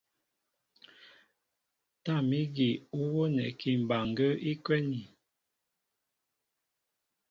Tâm ígi ú wónɛkí mbaŋgə́ə́ í kwɛ́nī.